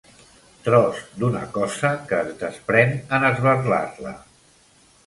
Tros d'una cosa que es desprèn en esberlar-la.